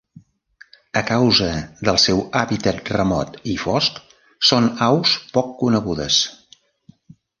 A causa del seu hàbitat remot i fosc, són aus poc conegudes.